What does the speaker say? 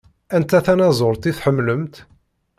Anta tanaẓuṛt i tḥemmlemt?